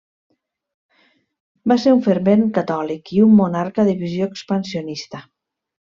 Va ser un fervent catòlic i un monarca de visió expansionista.